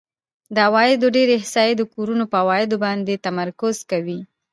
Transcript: د عوایدو ډېری احصایې د کورونو په عوایدو باندې تمرکز کوي